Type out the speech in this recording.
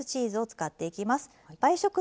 使っていきます。